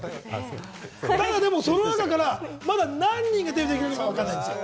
その中からまだ、何人がデビューできるのか、わからないんですよ。